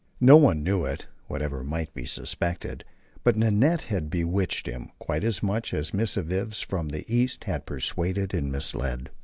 No one knew it, whatever might be suspected, but Nanette had bewitched him quite as much as missives from the East had persuaded and misled.